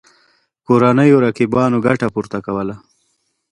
کورنیو رقیبانو ګټه پورته کوله.